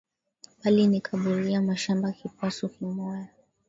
Bali nikaburia mashamba kipasu kimoya